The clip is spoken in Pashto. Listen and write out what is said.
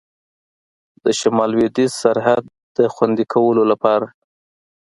د شمال لوېدیځ سرحد د خوندي کولو لپاره.